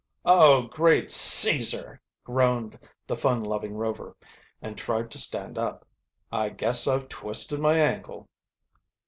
"Oh, great Caesar!" groaned the fun loving Rover, and tried to stand up. "I guess I've twisted my ankle."